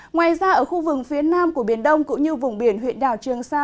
ngoài ra ở khu vực phía nam của biển đông cũng như vùng biển huyện đảo trường sa